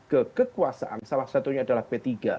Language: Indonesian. ke kekuasaan salah satunya adalah p tiga